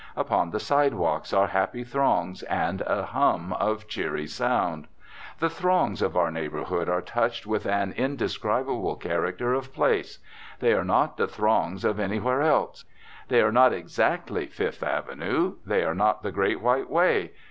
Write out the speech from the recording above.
Upon the sidewalks are happy throngs, and a hum of cheery sound. The throngs of our neighbourhood are touched with an indescribable character of place; they are not the throngs of anywhere else. They are not exactly Fifth Avenue; they are not the Great White Way.